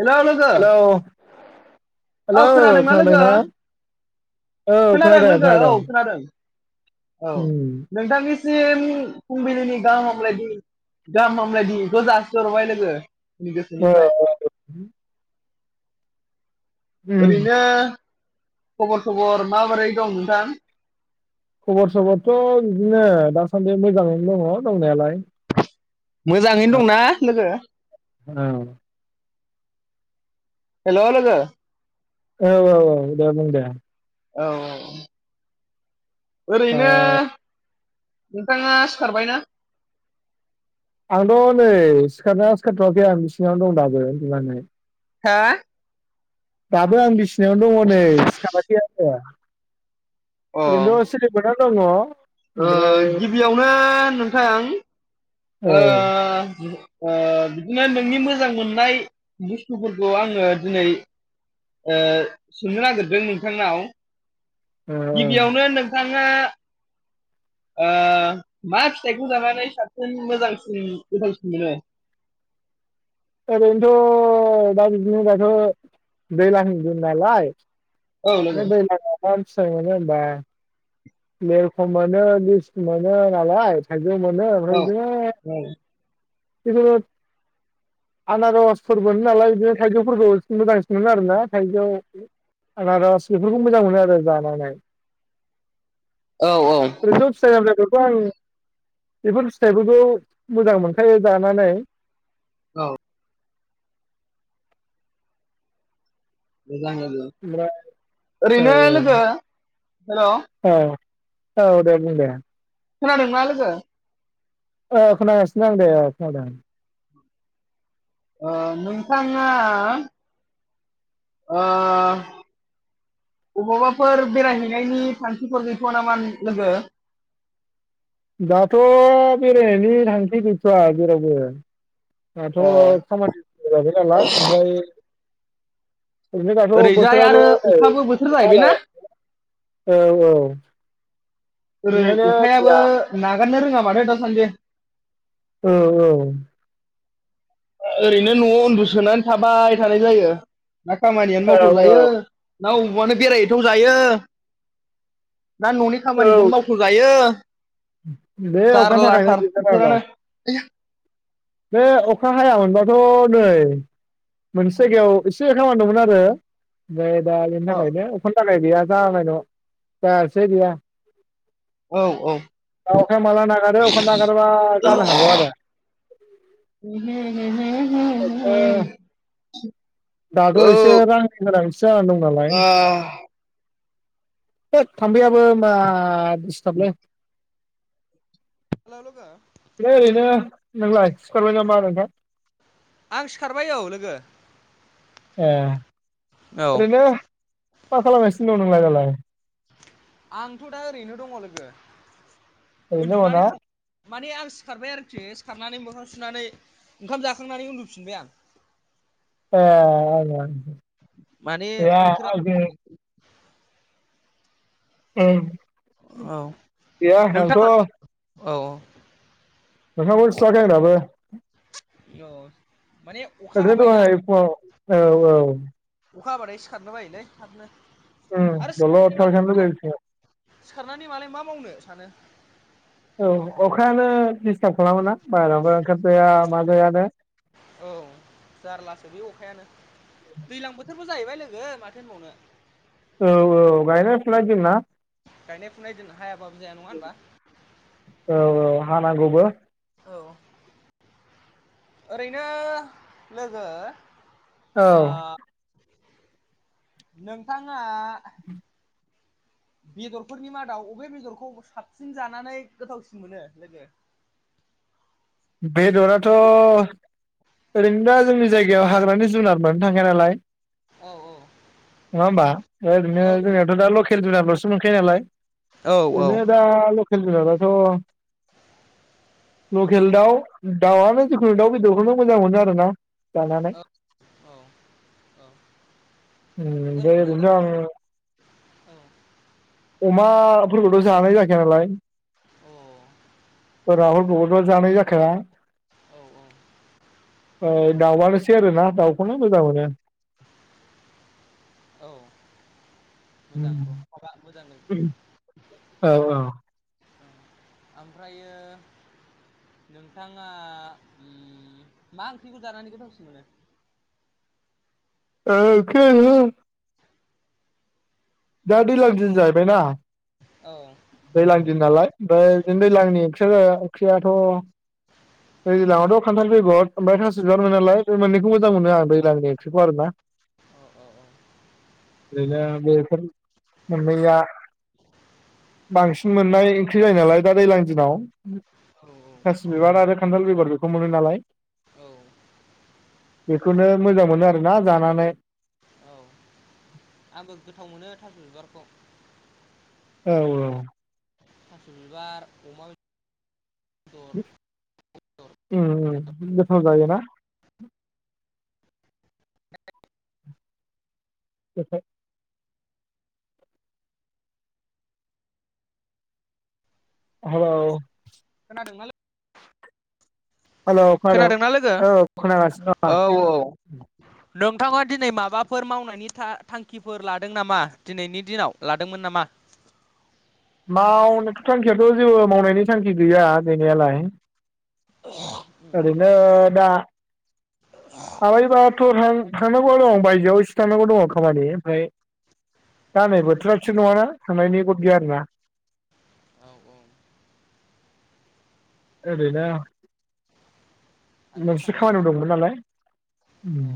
Hello लोगो। Hello औ hello खोनादोंना खोनादों लोगो ना औ खोनादों खोनादों औ उम नोंथांनि सिम फुंबिलिनि गाहाम हामलायदि गाहाम हामलायदिखौ जासिहरबाय लोगो आंनि औ गोसोनिफ्राय उम ओरैनो खबर सबर माबोरै दं नोंथां? खबर सबरथ' बिदिनो दासान्दि मोजाङैनो दङ दंनायालाय औ मोजाङैनो दंना लोगो औ। हेल' लोगो औ औ औ दे बुं दे। औ औ। ओ ओरैनो नोंथाङा सिखारबायना? आंथ' नै सिखारना सिखारथ'वाखै आं सिङावनो दं दाबो होननानै हा? दाबो आं बिसिनायावनो दङ नै सिखाराखै आङो अ ओरैनोथ सिरि मोन्नानै दङ' ओ ओमफ्राय गिबियावनो नोंथां औ ओ ओं ओ बिदिनो नोंनि मोजां मोननाय बुस्थुफोरखौ आङो दिनै ओ सोंनो नागिरदों नोंथांनाव ओं गिबियावनो नोंथाङा ओ मा फिथाइखौ जानानै साबसिन मोजांसिन गोथावसिन मोनो ओरैनोथ' दा बिदिनो बाथ' दैज्लांनि दिन नालाय औ बे लोगो दैलांआवहाय फिथाइ मोनो होमबा लेरख मोनो लिसु मोनो नालाय थाइ जौ मोनो ओमफ्राय औ बिदिनो जिखुनु आनारसफोर मोनो नालाय बिदिनो थाइजौफोरखौ मोजांसिन मोनो आरोना थाइजौ आनारस बेफोरखौ मोजां मोनो आरो जानानै [inaudible] औ औ ओरैनोथ फिथाइ आमलायफोर खौ आं बेफोर फिथाइफोरखौ मोजां मोनखायो जानानै औ मोजां लोगो ओमफ्राय औ ओरैनो लोगो हेल' औ ओ औ दे बुं दे खोनादोंना लोगो ओ खोनागासिनो आं दे ओ खोनादों ओ नोंथाङा ओ बबावबाफोर बेरायहैनायनि थांखिफोर गैथ'वा नामा लोगो दाथ' बेरायनायनि थांखि गैथ'वआ जेरावबो दाथ' अ खामानि [unintelligible] नालाय ओमफाय ओरनो दाथ' ओरैजाय बोथोराबो आरो नै अखाबो बोथोर अखा जाहैबायना हालाय औ औ ओरै बेनिखायनो अखायाबो गैया नागारनो रोङा माथो दासान्दि औ औ ओरैनो न'आव उन्दुसोनानै थाबाय थानाय जायो ना खामानियानो औ मावथावजायो ना अबावबानो बेरायहैथाव जायो ना न'नि औ खामानिखौनो मावथ'जायो बे अखानि थाखायनो दिगदार जाना बोथोरानो दं बे अखा हायामोनोनबाथ' नै मोनसे जायगायाव एसे खामानि दंमोन आरो ओमफ्राय दा बेनि औ थाखायनो अखानि थाखाय गैया जानाय न' जायासै गैया औ औ दा अखाया माला नागारो अखा नागारबा औ जानो हागौ आरो [unintelligible] [unintelligible] दाथ' एसे रांनि गोनांथि जाना दं नालाय आ होत थामफैआबो मा दिस्टाबलै हेल' लोगो ओमफाय ओरैनो नोंलाय सिखारबाय नामा नोंथां आं सिखारबाय औ लोगो ए औ ओरैनो मा खालामगासिनो दं नोंलाय दालाय आंथ' दा ओरैनो दङ लोगो ओरैनो उन्दुनानै दङना दं माने आं सिखारबाय आरोखि सिखारनानै मोखां सुनानै ओंखाम जाखांनानै उन्दुफिनबाय आं [inaudible] ए ओं ओं माने बोथोरा उम औ गैया आंथ' नोंथाङा औ मोखांखौनो सुवाखै आं दाबो औ माने अखा ओरैनो हाबायना दहाय फुंङाव औ औ। अखा हाबाथाय सिखारनो बायोलै थाबनो। उम आरो दलर थाबाय थानो लुगैयो [inaudible] सिखारनानै मालाय मा मावनो सानो। औ अखायानो दिडिस्टार्ब खालामोना बाहेरायावबो ओंखारजाया माजाया नो। औ जारलासो बे अखायानो दैज्लां बोथोर बो जाहैबाय लोगो माथो होनबावनो। औ औ गायनाय फुनाय दिनना गायनाय फुनाय दिन हायाब औ औ हानांगौबो। औ ओरैनो लोगो औ ओ नोंथाङा बेदरफोरनि मादाव अबे बेदरखौ साबसिन जानानै गोथावसिन मोनो लोगो। बेदराथ' ओरैनो दा जोंनि जायगायाव हाग्रानि जुनार मोननो थांखाया नालाय। औ नङा होमबा ओरैनो औ जोंनियावथ' दा लकेल जुनारल'सो मोनखायो नालाय। औ ओरैनो दा लकेल जुनाराथ' बेल दाउ दाउआनो जिखुनु दाउ बेदरखौनो मोजां मोनो आरोना। जानानै औ औ ओम दे ओरैनो बेनो आं औ अमाफोरखौथ'जानाय जाखाया नालाय अ राहुल [unintelligible] जानाय जाखाया। औ औ औ दाउआनोसै आरोना दाउखौनो मोजां मोनो। औ मोजां [unintelligible] मोजां औ औ। ओमफ्रायो नोंथाङा उम्म मा ओंख्रिखौ जानानै गोथावसिन मोनो? ओंख्रियाथ' दा दैलां दिन जाहैबायना औ दैलां दिन नालाय ओ बिदिनो दैज्लांनि ओंख्रि जाहैबाय ओंख्रियाथ दैज्लाङावथ खान्थाल बेगर ओमफ्राय थास बिबार मोनो नालाय बे मोननैखौ मोजां मोनो आं दैज्लांनि ओंख्रिखौ आरो ना। अ अ औ। औ गैला बेफोर मोननैया बांसिन मोननाय ओंख्रि जायो नालाय दा दैज्लां दिनाव थासि बिबार आरो खान्थाल बेगर बेखौ मोनो नालाय। औ बेखौनो मोजां मोनो आरोना जानानै। औ आंबो गोथाव मोनो थास बिबारखौ। औ औ। थास बिबार अमा बे उम्म उम्म गोथाव जायोना? [unintelligible] औ औ। खोनादोंना लो हेलौ खोनादों खोनादोंना लोगो? औ खोनागासिनो दं औ आं औ। नोंथाङा दिनै माबाफोर मावनायनि था-थांखिफोर लादों नामा दिनैनि दिनाव लादोंमोन नामा? मावनोथ थांखियाथ जेबो मावनायनि थांखि गैया गैनायालाय। उम ओरैनो दा हाबायबा टर हाय थांनांगौ दं बायजोआव एसे थांनांगौ दङ खामानि ओमफ्राय दा नै बोथोरा थिग नङाना थांनायनि ग'द गैया आरोना। [inaudible] एरैनो थांनो मोनसे सानबाबो खामानियाव थां दंमोन नालाय उम औ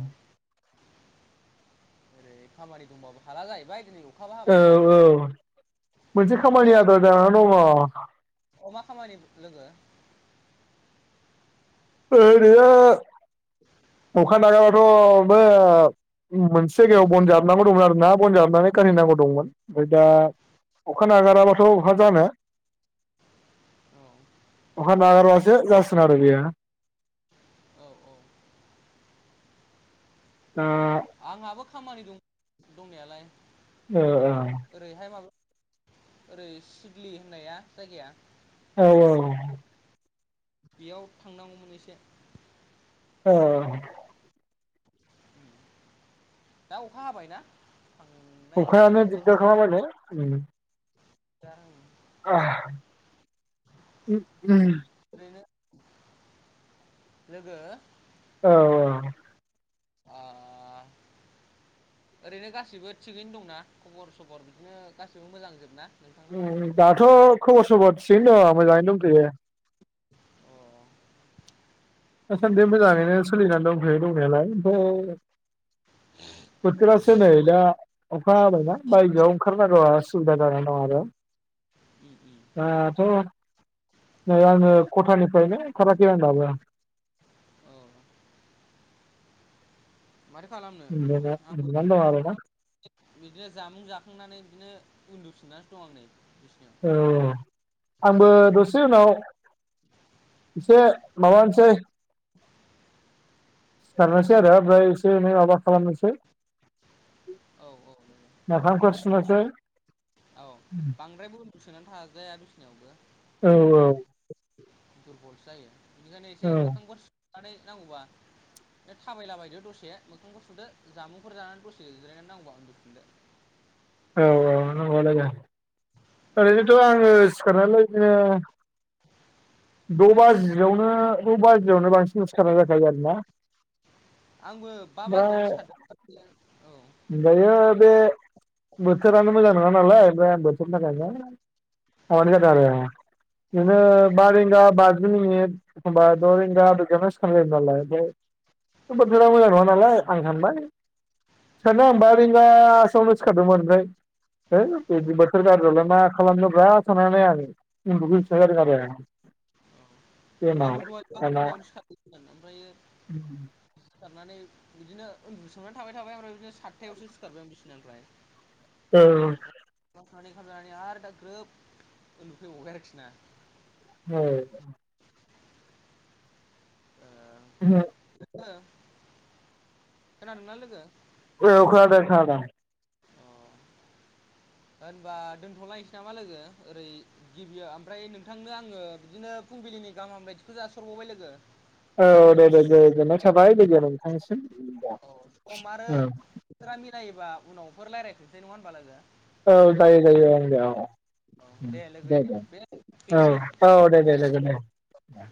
ओरै खामानि दंबाबो हाला जाहैबाय दिनै अखाबो औ हाबाय नालाय औ मोनसे खामानि बोथोरा आद्रा जानानानै दंङ। अ मा खामानि लोगो ओरैनो अखा नागाराबाथ' बो मोनसे जायगायाव बनजाबनांगौ दंमोन आरो ना बनजाबनानै खानहैनांगौ दंमोन ओमफाय दा अखा नागाराबाथ' बहा जानो। [inaudible] अखा नागारबासो जासिगोन आरो बेयो। औ औ दा आंहाबो खामानि दं दंनायालाय ओ औ ओरैहाय माबा ओरै सिडलि होननाया जायगाया औ औ बेयाव थांनांगौमोन एसे। औ दा अखा हाबायना थांनाय जानाय अखायानो नंला दिगदार खालामबाय ने उम। दा उम ओरैनो लोगो औ औ अ ओरैनो गासिबो थिगैनो दंना खबर सबर गासिबो मोजांजोबना? नोंथांना दाथ' खबर सबर थिगैनो दं मोजाङैनो दंथ'यो। अ दासान्दि मोजाङै मोजाङैनो सोलिनानै दंथ'यो दंनायालाय ओमफाय [inaudible] बोथोरासो नै दा अखा हाबायना बायजोआव ओंखारनांगौवा उसुबिदा दं आरो। [inaudible] दाथ' नै आङो खथानिफ्रायनो ओंखाराखै आं दाबो उम औ माथो खालामनो उन्दुनो आं उन्दुनानै दं आरोना बिदिनो जामुं जाखांनानै बिदिनो। उन्दुफिनानै दं आं नै। बिसिनायाव औ आंबो दसे उनाव एसे माबानोसै [inaudible] सिखारनोसै आरो ओमफ्राय एसे माबा खालामनोसै औ औ मोखांफोर सुनोसै औ बांद्रायबो उनदुसोनानै थाजाया बिसिनायावबो औ औ दुरबलसो जायो बेनिखायनो एसे औ मोखांफोर सुनानै नांगौबा बे थाबायला बायदो दसे, मोखांखौ सुदो, जामुंफोर जानानै दसे जिरायनानै नांगौबा उन्दुफिनदो। [inaudible] औ औ नंगौ लायो। ओरैनोथ' आङो सिखारनानै इदिनो द' बाजियावनो द' बाजियावनो बांसिन सिखारनाय जाखायो आरोना। आंबो बा बाजियावनो ओमफ्राय सिखारदों औ। दायो बे बोथोरानो मोजां नङा नालाय ओमफ्राय आं बोथोरनि थाखायनो माबानाय जादों आरो। बिदिनो औ बा रिंगा बाजि मिनिट एखमबा द' रिंगा बेदियावनो सिखारनाय जायो नालाय फ्राय बोथोरा मोजां नङा नालाय आं सानबाय सानोबा आं बा रिंगासोयावनो सिखारादोंमोन ओमफ्राय है बिदि बोथोर गाज्रियावलाय मा खालामनो ब्रा साननानै आङो उन्दुफैफिननाय जादों आरो एमाव आंबो दंहाय बा दाना बाजियावनो सिखारदोंमोन ओमफ्रायो सिखारनानै बिदिनो उन्दुसोमनानै थाबाय थाबाय ओमफ्राय बिदिनो सातथायावसो सिखारबाय आं बिसिनानिफ्राय औ खनानै खनानै आरो दा ग्रोब उन्दुखै हगबाय आरोखि ना औ [unintelligible] गो खोनादों ना लोगो औ खानादों खोनादों अ होनबा दोनथ'लायसै नामा लोगो ओरै गिबियाव ओमफ्राय नोंथांनो आङो बिदिनो फुंबिलिनि गाहाम हामब्लायथिखौ जासिहरबावबाय लोगो औ दे दे दे गोजोननाय थाबाय लोगो नोंथांनिसिम औ सम आरो बिसोरा मिलायोबा उनावफोर रायज्लायफिननोसै नङा होनबा लोगो औ जायो जायो ओं दे औ। औ लोगो दे दे बे औ बेखिनि औ दे दे दे दे दे